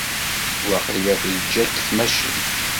Waqila teǧǧa-k tmacint.